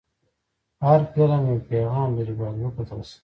هر فلم یو پیغام لري، باید وکتل شي.